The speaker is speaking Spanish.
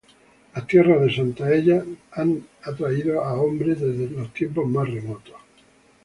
Las tierras de Santaella han atraído a los hombres desde sus tiempos más remotos.